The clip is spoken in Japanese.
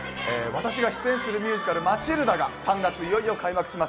私が出演するミュージカル『マチルダ』が３月、いよいよ開幕します。